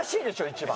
一番。